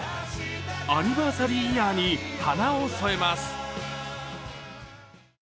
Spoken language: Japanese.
アニバーサリーイヤーに花を添えます。